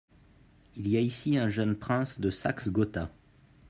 Il y a ici un jeune prince de Saxe-Gotha.